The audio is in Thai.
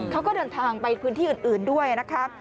เขาก็เดินทางไปพื้นที่อื่นด้วยนะคะ